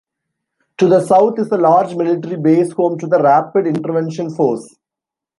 To the South is a large military base home to the rapid intervention force.